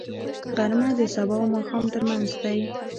غرمه د سبا او ماښام ترمنځ دی